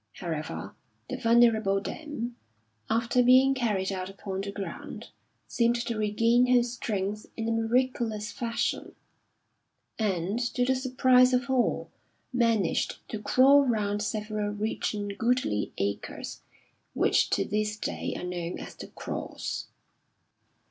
However, the venerable dame, after being carried out upon the ground, seemed to regain her strength in a miraculous fashion, and, to the surprise of all, managed to crawl round several rich and goodly acres which to this day are known as "the Crawls."